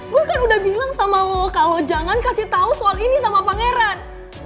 gue kan udah bilang sama lo kalau jangan kasih tahu soal ini sama pangeran